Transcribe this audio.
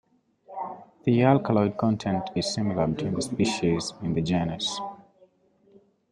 The alkaloid content is similar between the species in the genus.